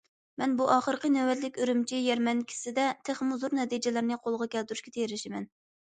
مەن بۇ ئاخىرقى نۆۋەتلىك ئۈرۈمچى يەرمەنكىسىدە تېخىمۇ زور نەتىجىلەرنى قولغا كەلتۈرۈشكە تىرىشىمەن.